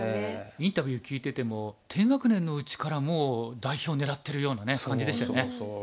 インタビュー聞いてても低学年のうちからもう代表狙ってるような感じでしたよね。